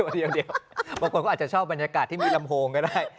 เดี๋ยวบางคนก็อาจจะชอบบรรยากาศที่มีลำโพงก็ได้